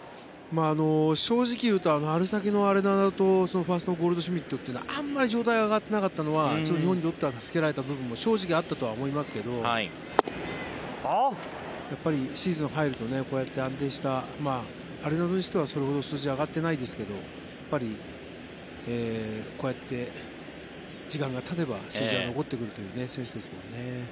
正直言うとアレナドとファーストのゴールドシュミットというのはあんまり状態が上がってなかったのは日本にっても助けられた部分は正直あったと思いますけどやっぱりシーズン入るとこうやって安定したアレナドにしてはそれほど数字が上がってないですがやっぱりこうやって時間がたてば数字は残ってくるという選手ですからね。